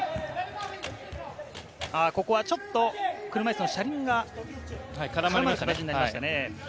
ここはちょっと車いすの車輪が絡まった形になりましたね。